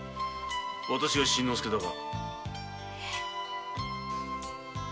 私が新之助だが。